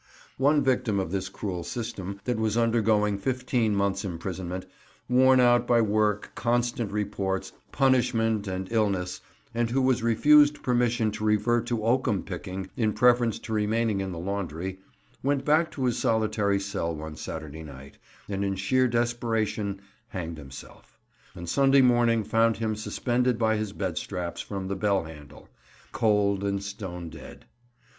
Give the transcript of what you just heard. One victim of this cruel system, that was undergoing fifteen months' imprisonment, worn out by work, constant reports, punishment, and illness, and who was refused permission to revert to oakum picking in preference to remaining in the laundry, went back to his solitary cell one Saturday night, and in sheer desperation hanged himself; and Sunday morning found him suspended by his bed straps from the bell handle, cold and stone dead.